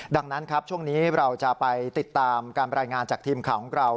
ดังนั้นครับช่วงนี้เราจะไปติดตามการรายงานจากทีมข่าวของเรา